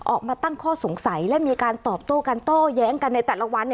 ออกมาตั้งข้อสงสัยและมีการตอบโต้การโต้แย้งกันในแต่ละวัน